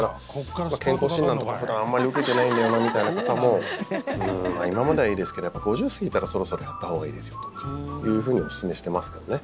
健康診断とか普段あまり受けてないんだよなみたいな方も今まではいいですけど５０過ぎたらそろそろやったほうがいいですよというふうにおすすめしてますけどね。